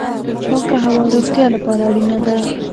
پاکه هوا د روغتیا لپاره اړینه ده